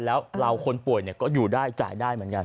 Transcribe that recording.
แล้วเราคนป่วยก็อยู่ได้จ่ายได้เหมือนกัน